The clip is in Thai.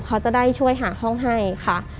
เขาจะได้ช่วยหาห้องให้ค่ะ